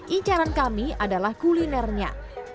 icaran kami adalah kulinernya